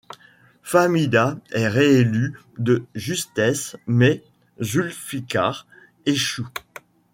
Fahmida est réélue de justesse mais Zulfiqar échoue.